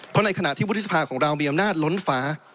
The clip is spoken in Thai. เพราะในขณะที่วุฒิสภาของเรามีอำนาจล้นฟ้า